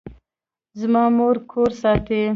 زما مور کور ساتي